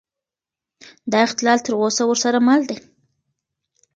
دا اختلال تر اوسه ورسره مل دی.